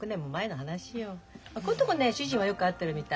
ここんとこね主人はよく会ってるみたい。